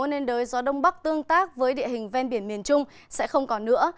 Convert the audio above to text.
nên đới gió đông bắc tương tác với địa hình ven biển miền trung sẽ không còn nữa